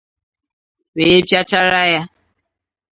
wee pịachara ya